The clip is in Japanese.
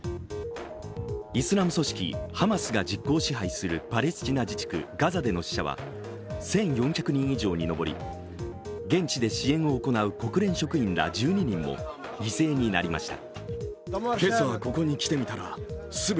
イスラム組織ハマスが実効支配するパレスチナ自治区ガザでの死者は１４００人以上に上り、現地で支援を行う国連職員ら１２人も犠牲になりました。